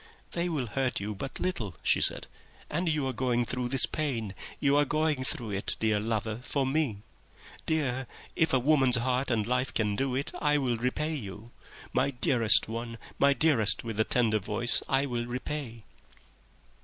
"They will hurt you but little," she said; "and you are going through this pain, you are going through it, dear lover, for me .... Dear, if a woman's heart and life can do it, I will repay you. My dearest one, my dearest with the tender voice, I will repay."